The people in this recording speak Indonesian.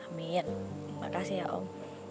amin makasih ya om